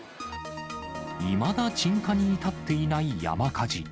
いまだ鎮火に至っていない山火事。